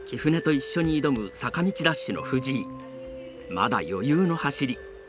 まだ余裕の走り。